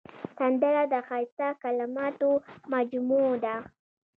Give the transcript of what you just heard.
سندره د ښایسته کلماتو مجموعه ده